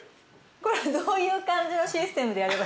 これはどういう感じのシステムでやれば。